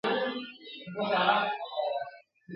له ظالمه که مظلوم په راحت نه وي ..